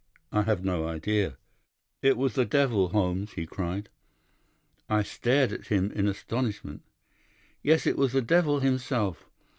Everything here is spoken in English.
"'I have no idea.' "'It was the devil, Holmes,' he cried. "I stared at him in astonishment. "'Yes, it was the devil himself.